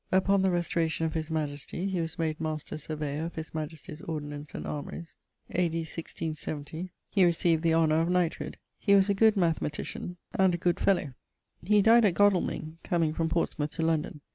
Upon the restauration of his majestie he was made Master Surveyor of his majestie's ordinance and armories. A.D. 167 he received the honour of knighthood. He was a good mathematician, and a good fellowe. He dyed at Godalmyng, comeing from Portsmouth to London